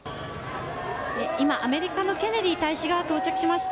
今アメリカのケネディ大使が到着しました。